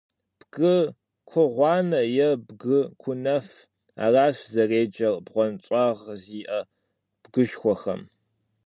«Бгы кугъуанэ» е «бгы кунэф». Аращ зэреджэр бгъуэнщIагъ зиIэ бгышхуэхэм.